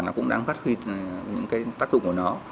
chúng ta cũng đang phát huy những cái tác dụng của nó